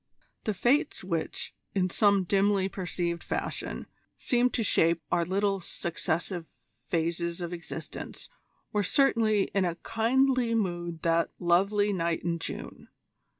The Fates which, in some dimly perceived fashion, seem to shape our little successive phases of existence, were certainly in a kindly mood that "lovely night in June."